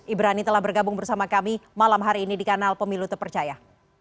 ibrani telah bergabung bersama kami malam hari ini di kanal pemilu terpercaya